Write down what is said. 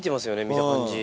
見た感じ。